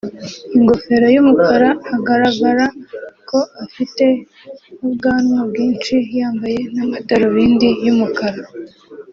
ingofero y’umukara agaragara ko afite n’ubwanwa bwinshi yambaye n’amadarubindi y’umukara